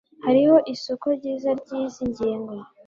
Hariho isoko ryiza ryizi ngingo.